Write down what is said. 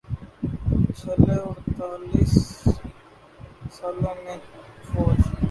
چھلے اڑتالیس سالوں میں فوج